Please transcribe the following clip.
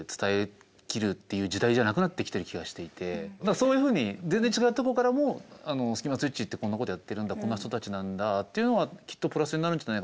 そういうふうに全然違うとこからもスキマスイッチってこんなことやってるんだこんな人たちなんだっていうのはきっとプラスになるんじゃないかなっていう。